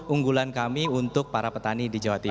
unggulan kami untuk para petani di jawa timur